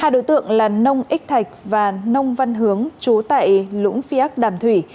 hai đối tượng là nông ích thạch và nông văn hướng chú tại lũng phi ác đàm thủy